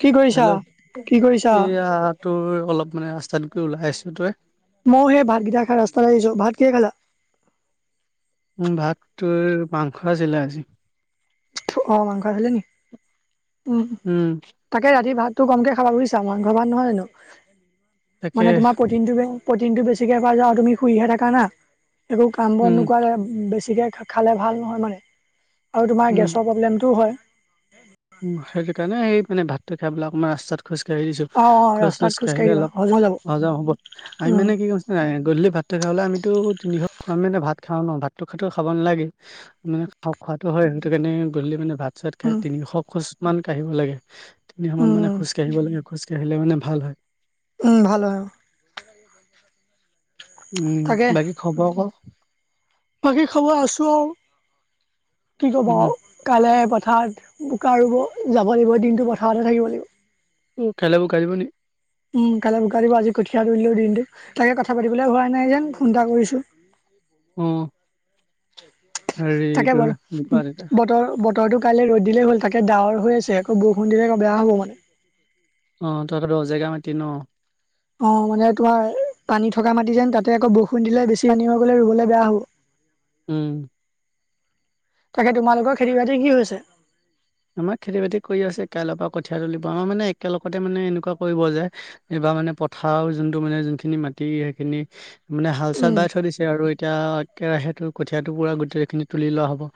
কি কৰিছা? হেল্ল' কি কৰিছা? এইয়া তোৰ অলপ মানে আ জানকৈ ওলাই আছো তই মইয় সেই ভাতকেইটা খাই ৰাস্তাত আহিছো ভাত কিিয় খালা মোৰ ভাতটো মাংস আছিলে আজি অ মাংসছিলছিলে নি উ উম তাকে ৰাতি ভাত তটো কমকে খাবা বুজিছা মাংসৰ ভাত নহয় জানো তাকে মানে তোমাৰ প্ৰিন টো প্ৰিন টো বেছি বেছিকৈ কৰা যা তুমি শুইহে থাকা না একো কাম বন উম নকোৱ বেছিকে খালে ভাল নহয় মানে আৰু তোমাৰ গে টো হয় উ সেইটো কাৰণে স মানে ভাতটো খাবিলাক আমাৰ ৰাস্তাত খোজকাঢ়ি দিছো অ অ খোজ ৰাস্তাত চোজ খোজকাঢ়ি কাঢ়িলে দিবা অলপ হজম হৈ যাব। সজম হ'ব আমি উম মানে কি কছ ন গধূলি ভাতটো খাবলে আমিতো তিনিশ মানে ভাত খাওঁ ন ভাতটো খো খাব নালাগে মানে খওঁ খোৱাাতটো হয় সেইটো কাৰণে গধল মানে ভাল তছাত খাই উম তিনিশ খোজ মান কাঢ়িব লাগে তিনিশ মান মানে উম খো কাঢ়িব লাগে খোজ তেতি আহিলে মানে ভাল হয় উম ভাল হয় উম তাকে বাকী খবৰ ক বাকী খবৰ আছো আৰু কি ক'ব উম কালে পথাৰ বোকা ৰুব যাব লাগিব দিনটো পথাৰতে থাকিব লাগিব অ খেলাবোৰ খিব নেকি উম কাইলৈ বুোকাই দিব আজি কঠিয়া ৰিলোও দিনটো তাকে কথা পাতিবলৈ হোৱা নাই যেন ফোন এটা কৰিছো উম তাকে বাৰু বোকাদিতা বতৰ বতৰটোো কাইলৈ ৰ'দ দিলেই হ'ল তাকে ডাৱৰ হৈ আছে আকৌ বৰষুণ দিলেৌ বেয়া হ'ব মানে অ তই পৰাত দহ জেগা মাতি ন অ মানে তোমাৰ পানী থকা মাটি যেন তাতে আকৌ বৰষুণ দিলে বেছি পানী হৈ গলে ৰুবলে বেয়া হ'ব উম। তাকে তোমালোকৰ খেতি বাতি কি হৈছে? আমাৰ খেতি বাতি কৰি আছে কাইলৰ পৰা কঠীয় তুলিব আমাৰ মানে একেলগতে মানে এনেকুৱা কৰিব যে এই বাৰ মানে পথাৰ যোনটো মানে যোনখিনি মাটি সেইখিনি মানে হাল চাল উম বাই থৈ দিছে আৰু এতিয়া একেৰাহেটো কঠীয়টো পুৰা গোটেইেখিনি তুলি লোৱা হ'ব।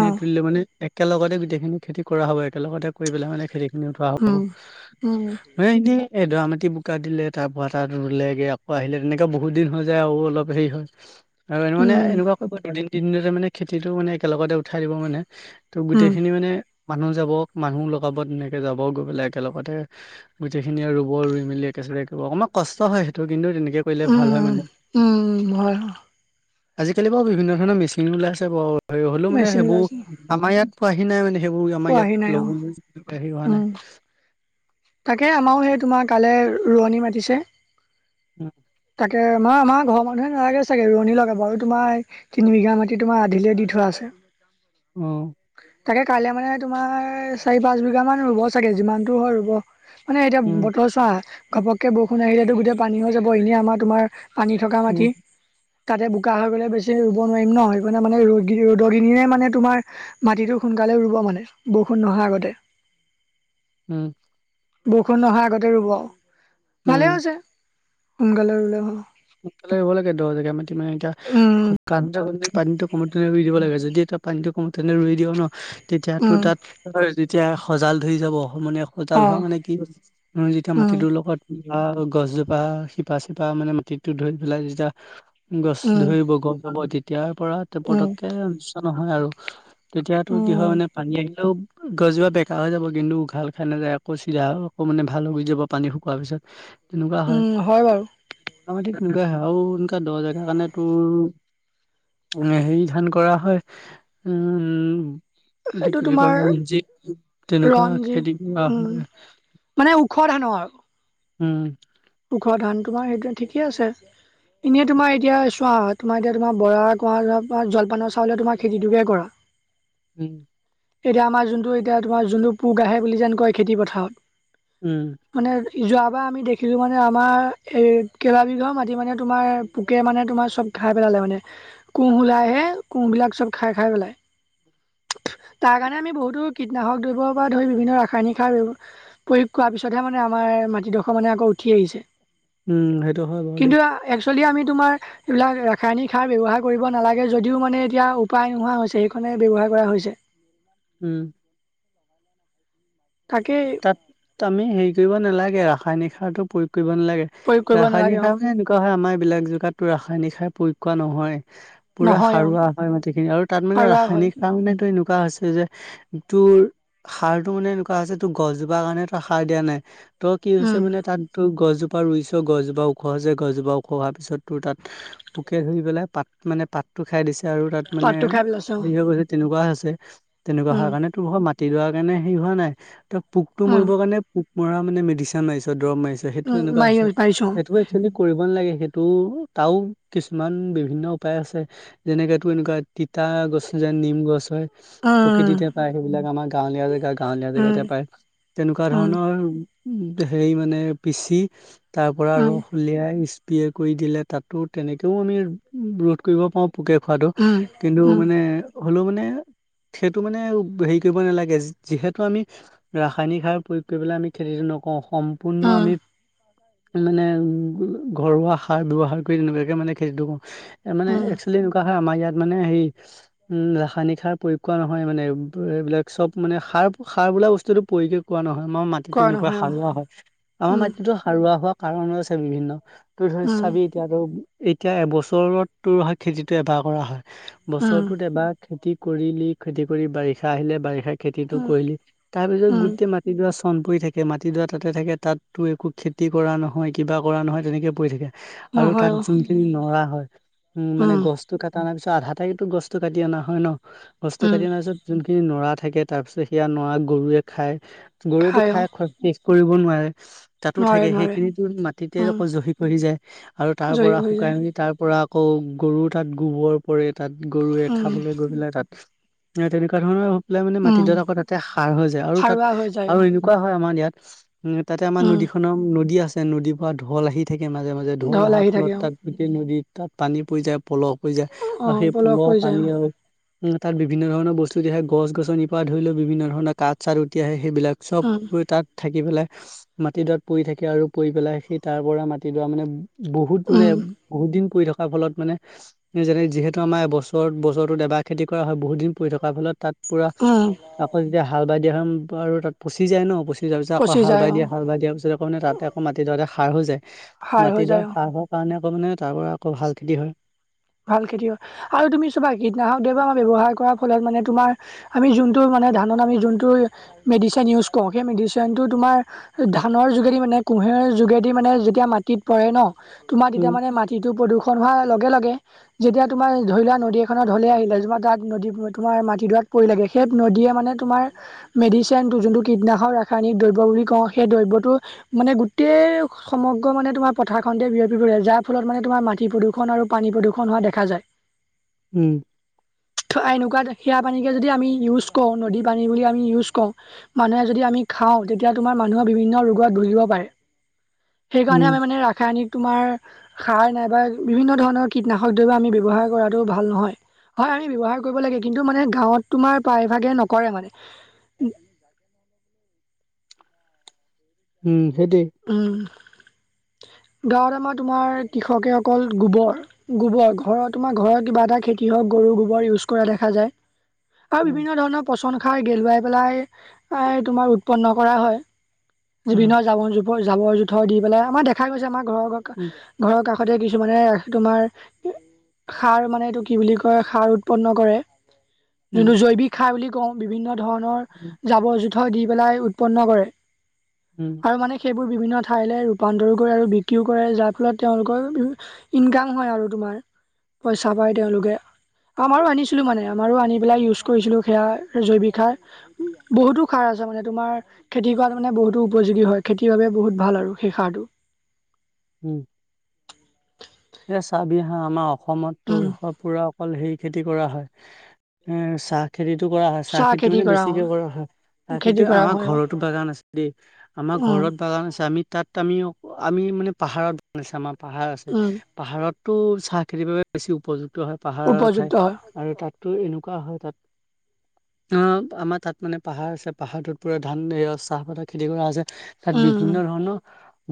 অ তুলিলে মানে একেলগতে গোটেইখিনি খেতি কৰা হ'ব একেলগতে কৰি পেলাই মানে খেতি উম উম [inaudible] এ দৰা মাটি বোকা দিলে তাৰ পৰা তাত ৰুলেগে আকৌ আহিলে তেনেকে বহুত দিন হৈ যায় আৰু অলপ হেৰি হয়। আৰু এ মানে এনেকুৱা কৰিব দুদিন তিদিনতে মানে খেতিটো মানে একেলগতে উঠাই দিব মানে। ত' উম গোটেইখিনি মানে মানুহ যাব মানুহ লগাব তেনেকে যাব গৈ পেলাই একেলগতে গোটেইখিনি আৰু ৰুব ৰুই মেলি অকমান কষ্ট হয় সেইটো কিন্তু তেনেকে কৰিলে উম ভাল হয় উম মানে। উম হয় আজিকালি বাৰু বিভিন্ন ধৰণৰ মেচিন ওলাই আছে বাৰু হ'লেও মানে মেচিন সেইবোৰ ওলাইছে আমাৰ ইয়াত পোৱাহি নাই মানে। সেইবোৰ অ আমাৰ আহি ইয়াত নাই অ লগ হেৰি হোৱা নাই। উম তাকে আমাৰও সেই তোমাৰ কাইলে ৰোৱনী মাতিছে। অ তাকে মা মা ঘৰৰ ম মানুহে নোৱাৰে চাগে ৰোৱনী লগা বাৰু তোমাৰ তিনি বিঘা মাটি তোমাৰ আধিলে দি থোৱা আছে। উম তাকে কাইলে মানে তোমাৰ মানে চাৰি পাঁচ বিঘা মান ৰুব চাগে যিমানতটো হয় ৰুব মানে এতিয়া উম বতৰ চোৱা ঘপককে বৰষুণ আহিলেতো গোটেই পানী হৈ যাব এনেই আমাৰ তোমাৰ পানী থকা উম মাটি। তাতে বোকা হৈ গ'লে বেছি ৰুব নোৱাৰিম ন। সেইকাৰণে মানে ৰ'দ ৰ'দৰ মানে তোমাৰ মাটিটো সোনকালেও ৰুব মানে বৰষুণ নহয় আগতে। উম। বৰষুণ নহয় আগতে ৰোব। উম, ভালেই হৈছে সোনকালে ৰুলে হ'ল। সোনকালে আহিব লাগে দহ জেগা মাটি মানে তিয়া উম শুকান পানীতটো কমতে ৰুই দিব লাগে যদি এতিয়া পানীটো কমতে ৰুই দিওঁ ন তেতিয়াতো উম তাত তেতিয়া সজাল ধৰি যাব মানে সজাল অ হোৱা মানে কি যেতিয়া উম মাটিটোৰ লগত গছজোপা শিপা চিপা মানে মাটিতো ধৰি পেলাই যেতিয়া গছ উম ধৰিব গম পাব তেতিয়াৰ পৰা উম প্ৰতককে অনিষ্ট নহয় আৰু। তেতিয়াতো কি হয় উম, মানে পানী আহিলেও গছোপা বেকা হৈ যাব কিন্তু উঘাল খাই নাযায় আকৌ চিধা আকৌ মানে ভাল হৈ যাব পানী শুকোৱাৰ পিছত। তেনেকুৱা হয়। উম, বাৰু হেয়া মাটি তেনেকুৱায়ে হয় আৰু এনেকুৱা দহ জেগাৰ কাৰণে তোৰ উম, হেৰি ধান কৰা হয় উম এতো সেইটো কি বুলি তোমাৰ কয় যি তেনেকুৱা ৰঞ্জিত খেতি কৰা উম, হয়। মানে ওখ হানো আৰু। উম। ওখ ধান তোমাৰ সেইটোৰে ঠিকেই আছে। এনে তোমাৰ এতিয়া চোৱা তোমাৰ এতিয়া তোমাৰ বৰা কুহা যোৱাৰ পৰা জলপানৰ চাউলে তোমাৰ খেতিটোকে কৰা। উম। এতিয়া আমাৰ যোনটো এতিয়া তোমাৰ যোনটো পোক আহে বুলি যেন কয় খেতি পথাৰত। উম। যোৱাব বা আমি দেখি চো মানে আমাৰ এই কেলা বিঘা মাটি মানে তোমাৰ পোকে মানে তোমাৰ চব খাই পেলালে মানে। কুঁহ ওলাইহে কুঁহবিলাক চব খাই খাই পেলাই। [inaudible] তাৰ কাৰণে আমি বহুতো কীটনাশক দ্ৰব্যৰ পৰা ধৰি বিভিন্ন ৰাসায়নিক সাৰৱ প্ৰয়োগ কৰাৰ পিছতহে মানে আমাৰ মাটিডোখৰ মানে আকৌ উঠি আহিছে। উম, সেইটো হয় বাৰু দেই। একেল আমি তোমাৰ এইবিলাক ৰাসায়নিক সাৰ ব্যৱহাৰ কৰিব নালাগে যদিও মানে এতিয়া উপায় নোহোৱা হৈছে। ব্যৱহাৰ কৰা হৈছে। উম তাকে তাত আমি হেৰি কৰিব নালাগে ৰাসায়নিক সাৰতো প্ৰয়োগ কৰিব নালাগে প্ৰয়োগ কৰিব ৰাসায়নিক নালাগে অ সাৰ মানে এনেকুৱা হয় আমাৰ এবিলাক জেগাতটো ৰাসায়নিক সাৰ প্ৰয়োগ কৰা নহয় পুৰা নহয় অ সাৰুৱা হয় মাটিখিনি আৰু তাত মানে সাৰুৱা হয় ৰাসায়নিক সাৰা মানে তোৰ এনে একুৱা হৈছে যে তোৰ সাৰটো মানে এনেকুৱা হৈছে টো গছজোপাৰ কাৰণে তো সাৰ দিয়া নাই ত' কি উম হৈছে মানে তাতো গছজোপা ত পৰা ৰুইছ গছজোপা ওখছে গছজোপা ওখ হোৱাৰ পিছত তোৰ তাত পোকে ধুই পেলাই পাত মানে পাত টো খাই দিছে আৰু তাত মানে পাতটো খাই পেলাইছে অ হেৰি হৈ গৈছে তেনেকুৱা আছে তেনেকুৱা উম হোৱাৰ কাৰণে তোৰ মাটিডৰা কাৰণে হেৰি হোৱা নাই ত পোকটো উম মৰিবৰ কাৰণে পোক মৰা মানে মেডিচিন মাৰিছ দৰৱ মাৰিছ সেইটো উম তেনেকুৱা মাৰি আছে পাৰিছো সেইটো একচুৱেলি কৰিব নালাগে সেইটো তাও কিছুমান বিভিন্ন উপায় আছে যেনেক তো এনেকুৱা তিতা গছে যে নিম গছ হয় অ প্ৰকৃতিতে উম পায় সেইবিলাক আমাৰ গাঁৱলীয়া জেগা গাঁৱলীয়া উম জেগাতে পায় তেনেকুৱা উম ধৰণৰ হেৰি মানে পিচি তাৰ পৰা উম ৰস উলিয়াই স্প্ৰে কৰি দিলে তাতো তেনেকেও আমি ৰোধ কৰিব পাৰো পোকে খোৱাতটো উম কিন্তু উম মানে হলেও মানে সেইটো মানে হেৰি কৰিব নালাগে যিহেতু আমি ৰাসায়নিক সাৰ প্ৰয়োগ কৰিপেলাই আমি খেতিটো নকৰো সম্পূৰ্ণ উম আমি মানে উ ঘৰুৱা সাৰ ব্যৱহাৰ কৰি তেনেকুৱাকে মানে খেতিটো কৰো মানে উম একচলি আমাৰ ইয়াত মানে হে উম ৰাসায়নিক সাৰ প্ৰয়োগ নহয় মানে এইবিলাক চব মানে সাৰ সাৰ বোলা বস্তুটো পৰিকে কোৱা নহয় আমাৰ মাটিটো কৰা এনেকুৱা নহয় অ সাৰুৱা হয় আমাৰ উম মাটিতো সাৰুৱা হোৱা কাৰণো আছে বিভিন্ন তোৰ ধৰি উম চাবি এতিয়াতো এতিয়া এবছৰতো হয় খেতিটো এবাৰ কৰা হয় উম বছৰটোত এবাৰ খেতি কৰিলি খেতি কৰি বাৰিষা আহিলে বাৰিষা খেতিটো উম কৰিলি তাৰ পিছত উম, গোটেই মাটিডৰা চণ পৰি থাকে মাটিডৰা তাতে থাকে তাততো একো খেতি কৰা নহয় কিবা কৰা নহয় তেনেকৈ পৰি থাকে আৰু নহয় তাত অ', যোনখিনি নৰা হয় উম মানে গছ টো কাটা অনাৰ পিছত আধাতেইতো গছটো কাটি অনা হয় ন গছটো উম, কাটি অনা পিছত যোনখিনি নৰা থাকে তাৰ পিছত সেয়া নৰা গৰুৱে খাই গৰুৱেটো খাই শেষ কৰিব নোৱাৰে তাতো নোৱাৰে থাকে নোৱাৰে, সেইখিনিতো মাটিতে উম, আকৌ জহি পঢ়ি যায় আৰু তাৰ জয়ী পৰা হৈ শুকাই যায়, মেলি তাৰ পৰা আকৌ গৰু তাত গোবৰ পৰে তাত গৰুৱে উম, খাবলৈ গৈ পেলাই তাত তেনেকুৱা ধৰণৰ হৈ পেলাই মানে উম, মাটিডৰা আকৌ তাতে সাৰ হৈ যায় আৰু তাত সাৰুৱা হৈ যায় আৰু অ', এনেকুৱা হয় আমাৰ ইয়াত উম তাতে আমাৰ উম, নদী খনৰ নদী আছে নদীৰ পৰা ঢল আহি থাকে গে মাজে মাজে ঢোল ঢল অহাৰ আহি ফলত থাকে অ', তাত গোটেই নদীত তাত পানী পৰি যায় পলস হৈ যায় আৰু অ', সেই পলস হৈ যায় পানী অ', আৰু উ তাত বিভিন্ন ধৰণৰ বস্তু উতি আহে গছ গছনিৰ পৰা ধৰি লৈ বিভিন্ন ধৰণৰ কাঠ চাঠ উটি আহে সেইবিলাক চব উম, তাত থাকি পেলাই মাটিডৰাত পৰি থাকে আৰু পৰি পেলাই সেই তাৰ পৰা মাটিডৰা মানে বহুত মানে উম, বহুত দিন পৰি থকা ফলত মানে যেনে যিহেতু আমাৰ বছৰত বছৰত আমাৰটো এবাৰ খেতি কৰা হয় বহুত দিন পৰি থকাৰ ফলত তাত পুৰা উম, আকৌ যেতিয়া হাল বাই দিয়া হয় আৰু তাত পচি যায় ন পচি তে তাৰ পিছ আকৌ পচি হাল যায় বাই অ', দিয়ে হাল বাই দিয়াৰ পিছত আকৌ তাতে আকৌ মাটি দৰাত সাৰ হৈ যায় সাৰ হৈ মাটিডৰা যায় অ'। চাহৰ কাৰণে আকৌ মানে তাৰ পৰা আকৌ ভাল খেতি হয় ভাল খেতি হয় আৰু তুমি চাবা কীটনাশক দব ব্যৱহাৰ কৰা ফলত মানে আমি ধানত জোনটো মেডিচিন। ইউজ কৰো সেইটো মিডিচেন আমাৰ ধানৰ যোগেদি মানে কুঁহেৰ যোগেদি মানে যেতিয়া মাটিত পৰে ন তোমাৰ তেতিয়া উম মানে মাটিটো প্ৰদূষণ হোৱাৰ লগে লগে যেতিয়া তোমাৰ ধৰি লোৱাা নদী এখনৰ ঢলে আহিলে তোমাৰ তাত নদী তোমাৰ মাটিডৰাত পৰি লাগে সেই নদী মানে তোমাৰ মেডিচিন যোনটো কিটনাশ ৰায়নিক দ্ৰব্য বুলি ক সেই দ্ৰবটো মান গোটেই সমগ্ৰ মানে তোমাৰ পথাৰখনতে বিয়পি পৰিলে যাৰ ফলত মানে তোমাৰ মাটি প্ৰদূষণ আৰু পানী প্ৰদূষণ দেখা যায় উম এনেকুৱা সেয়া পানীে যদি আমি ইউজ কওঁ নদী পানী বুলি আমি ইউজ কৰওঁ মানুহে যদি আমি খাওঁ, তেতিয়া তোমাৰ মানুহে বিভিন্ন ৰোগত ভুগিব পাৰে সেই কাৰণে আমি উম মানে ৰাসায়নিক তোমাৰ সাৰ নাইবা বিভিন্ন ধৰণৰ কীটনাশক দ্ৰৱ্য আমি ব্যৱহাৰ কৰাটোও ভাল নহয় হয় আমি ব্যৱহাৰ কৰিব লাগে কিন্তু মানে গাঁৱত তোমাৰ প্ৰায়ভাগে নকৰে মানে [unintelligible] [unintelligible] উম। সেইটোৱেই উম। [unintelligible] গাঁৱত আমাৰ তোমাৰ কৃষকে অকল গোবৰ গোবৰ ঘৰ তোমাৰ ঘৰত কিবা এটা খেতি হয় ক গৰু গোবৰ ইউজ কৰা দেখা যায় আৰু উম বিভিন্ন ধৰণৰ পচন সাৰ গেলুৱাই পেলাই এ তোমাৰ উৎপন্ন কৰা হয় উম বিভিন্ন জাবৰ জোৰ জাবৰ জোথৰ দি পেলাই আমাৰ দেখা গৈছে আমাৰ ঘৰৰ উম ঘৰৰ কাষ সোদে কিছুমানে তোমাৰ সাৰ মানে এইটো কি বুলি কয় সাৰ উৎপন্ন কৰে উম যোনটো জৈৱিক খাই বুলি কওঁ বিভিন্ন ধৰণৰ উম জাবৰ জো দি পেলাই উৎপন্ন কৰে উম। আৰু মানে সেইবোৰ বিভিন্ন ঠাইলৈ বান্দৰ কৰে আৰু বিক্ৰীও কৰে যাৰ ফলত তেওঁলোকৰ ইনকাম হয় আৰু তোমাৰ পইচা পাই তেওঁলোকে আমাৰো আনিছিলো মানে আমাৰো আনি পেলাই ইউজ কৰিছিলো সেয়া জৈৱিক সাৰ বহুতো সাৰ মানে তোমাৰ খেতি কৰা মানে বহুতো উপযোগী হয়। খেতিৰ বাবে বহুত ভাল আৰু সেই সাৰটো উম, এ চাবি হা আমাৰ উম অসমত পুৰা অকল হে খেতি কৰা হয় এ চাহ খেতিতটো কৰা হয় চাহ খেতি মানে বেছিকে কৰা হয় তা কন্তু খেতি কৰা আমাৰ হয় অ ঘৰতো বাগান আছে দেই আমাৰ উম ঘৰত বাগান আছে আমি তাত আমি আমি মানে পাহাৰত বনাইছো আমাৰ পাহাৰ আছে উম ঘৰতো চাহ খেতিৰ বাবে বেছি উপযুক্ত হয় পাহাৰৰ ঠাই উপযুক্ত হয় আৰু তাত এনেকুৱা হয় তাত অ', আমাৰ তাত মানে পাহাৰ আছে পাহাৰটোত পুৰা ধান চাহপাতৰ খেতি কৰা হৈছে। তাত উম উম বিভিন্ন ধৰণৰ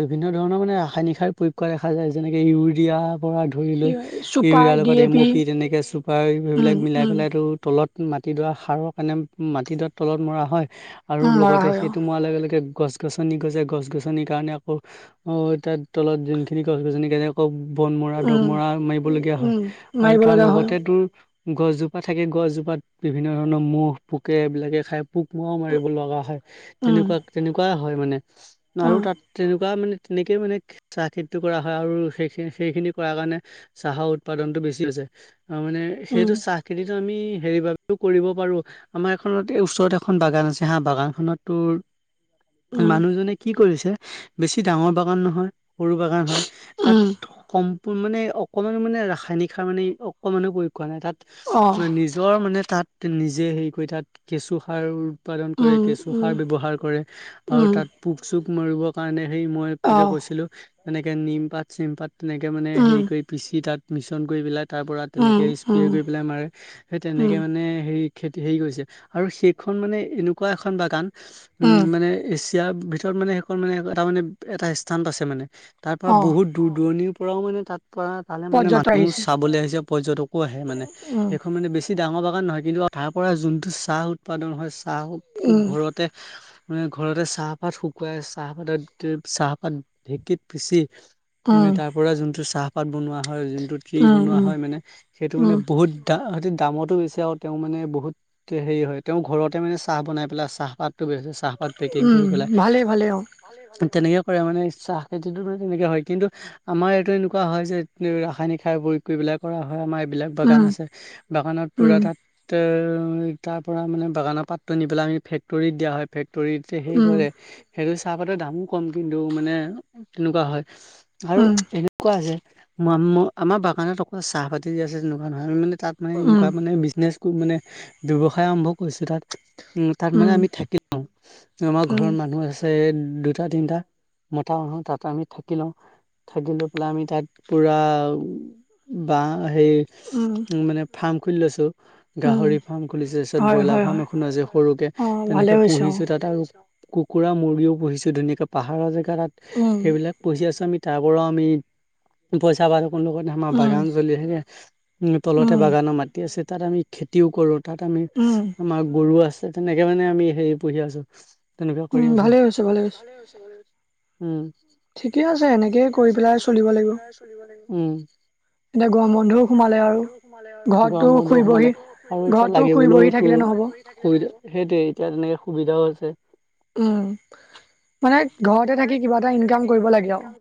বিভিন্ন ধৰণৰ মানে ৰাসায়নিক সাৰ প্ৰয়োগ কৰা দেখা যায় যেনেকে ইউৰি পৰা ধৰি কি লৈ হয় চুপাৰ ইউৰিয়াৰ ডি লগত এ এম অ' পি তেনেকে চুপাৰ উম সেইবিলাক মিলাই উম পেলাই তো তলত মাটিডৰা সাৰৰ কাৰণে মাটিডৰা তলত মৰা হয় আৰু উম মৰা লগতে হয় অ সেইটো মৰাৰ লগে লগে গছ গছনি গছে গছ গছনিৰ কাৰণে আকৌ তাৰ তলত যোনখিনি গছ গছনি কাৰণে বন মৰা দম উম মৰা মাৰিবলগীয়া হয় উম আৰু মাৰিব তাৰ লগা হয় লগতে তোৰ গছজোপা থাকে গছজোপাত বিভিন্ন ধৰণৰ মুহ পোকে এইবিলাকে খাই পোক মৰাও মাৰিব লগা হয় উম তেনেকুৱা তেনেকুৱাই হয় মানে অ আৰু তাত তেনেকুৱা মানে তেনেকে মানে চাহ খেতিটো কৰা হয় আৰু সেই সে সেইখিনি কৰাৰ কাৰণে চাহৰ উৎপাদনতটো বেছি হৈছে ত মানে উম সেইটো চাহখিনিত আমি হেৰিব কৰিব পাৰো আমাৰ এখনত এই ওচৰত এখন বাগান আছে হা বাগানখনতো উম, মানুহজনে কি কৰিছে বেছি ডাঙৰ বাগান নহয় সৰু বাগান হয় তাত উম, সম মানে অকমান মানে ৰাসায়নিক সাৰ মানে অকমান কোৱা নাই তাত অ', নিজৰ মানে তাত নিজে হেৰি কৰি তাত কেঁচু সাৰ উৎপাদন কৰে উম, কেঁচু সাৰ উম, ব্যৱহাৰ কৰে আৰু উম, তাত পোক চোক মাৰিবৰ কাৰণে সে মই যে অ', কৈছিলো তেনেকে নিম পাত চিম পাত তেনেকে মানে উম, হেৰি কৰি পিচি তাত মিশ্ৰণ কৰি পেলাই তাৰ পৰা উম, তেনেকে স্প্ৰে উম, কৰি পেলাই মাৰে সেই উম, তেনেকে মানে হেৰি খেতি হেৰি গৈছে আৰু সেইখন মানে এনেকুৱা এখন বাগান উম মানে এতিয়াৰ ভিতৰত মানে সেইখন মানে এটা মানে এটা স্থান পইছে আছে মানে তাৰ পৰা অ', বহুত দূৰ দূৰণি পৰাও মানে তাত পৰা তালে মানে পৰ্যটক মানুহ আহিছে, চাবলৈ আহিছে পৰ্যটকো আহে মানে উম, সেইখন মানে বেছি। ডাঙৰ বাগান নহয় কিন্তু তাৰ পৰা যোনটো চাহ উৎপাদন হয় চাহটো উম, ঘৰতে। ম ঘৰতে চাহপাত শুকুৱাই চাহপাতত চাহপাত ঢেঁকীত পিচি। অ, উম, তাৰ পৰা যোনটো চাহপাত বনোৱা হয় যোনটো ঘি বনোৱা উম, হয় মানে সেইটো মানে উম, বহুত দামতো বেছি আৰু তেওঁ মানে বহুত হেৰি হয় তেওঁ ঘৰতে মানে চাহ বনাই পেলাই চাহপাত। বে হৈছে চাহপাত পেকিং উম, কৰি পেলাই। ভালেই ভালেই অ', তেনেকে কৰে মানে ইচ্ছাহ খেতিো মানে তেনেকে হয় কিন্তু। আমাৰ এইটো এনেকুৱা হয় যে ৰাসায়নিক সাৰ প্ৰয়োগ কৰিব বিলাক কৰা হয় আমাৰ। বিলাক বাগান উম, আছে বাগানত উম, পুৰা তাত তাৰ পৰা মানে বাগানৰ পাতটো নি পেলাই আমি ফেক্টৰত দিয়া হয়ে। তৰি সেই উম, কৰে সেইটো চাহপাতৰ দামো কম কিন্তু মানে তেনেকুৱা হয়। অ কুৱছে আমাৰ বাগানত অকল চাহ পাতি দি আছে তেনেকুৱা নহয় আমি মানে। তাত মানে উম, এনেকুৱা মানে বিজনেছ মানে ব্যৱসায় আৰম্ভ কৰিছে তাত। উম, তাত মানে আমি থাকিও আমাৰ উম, ঘৰৰ মানুহ আছে। দুটা তিনটা মতো তাত আমি থাকি লওঁ। থাকি লৈ পেলাই আমি তাত পুৰা বাহ। সেই উম, উ মানে ফাৰ্ম খুলি লৈছো। উম, গাহৰি ফাৰ্ম খুলিছে তাৰ পিছত হয়, ব্ৰইলাৰ হয়, ফাৰ্ম হয়, এখন আছে সৰুকে অ', ভালে তেনেকে হৈছে পুহিছো অ', তাত আৰু। কুকুৰা মুৰ্গীও পুহিছো ধুনাকে পাহাৰৰ জো তাত উম, সেইবিলাক পুহি আছো আমি। তাৰ পৰাও আমি পইচা পাত লগতে আমাৰ উম, বাগান জ্বল আহম তলতে উম, বাগানৰ মাটি আছে তাত আমি খেতিও কৰো। তাত আমি উম, আমাৰ গৰু আছে তেনেকে মানে আমি হেৰি পুহি আছো। তেনেকুৱা কৰি উম, আছো ভালেই হৈছে, ভালেই হৈছে, উম, ঠিকে আছে এনেকেই ঠিকে কৰি আছে পেলাই এনেকে চলিব কৰি লাগিব। পেলাই চলিব লাগিব উম, এতিয়া গৰম বন্ধও গৰ সোমালে আৰু। বন্ধ ঘৰতটো গৰম বন্ধও শুই বহি সোমালে আৰু এতিয়া ঘৰতটো লাগে শুই বোও বহি তোৰ। থাকিলে নহ'ব। সুবিধা সেইটোোৱে এতিয়া তেনেকে সুবিধাও হৈছে। উম মানে ঘৰতে থাকি কিবা এটা ইনকাম কৰিব লাগে আৰু।